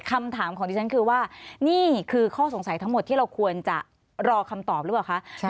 คำถามของดิฉันคือว่านี่คือข้อสงสัยทั้งหมดที่เราควรจะรอคำตอบหรือเปล่าคะ